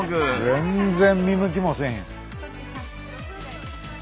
全然見向きもせえへん。